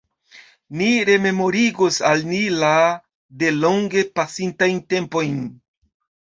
Ni rememorigos al ni la de longe pasintajn tempojn.